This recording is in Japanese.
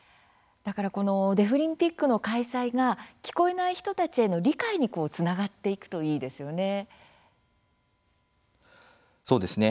デフリンピックの開催が聞こえない人たちへの理解につながっていくといいですよね。